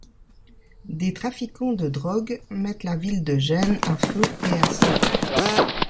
Des trafiquants de drogue mettent la ville de Gênes à feu et à sang.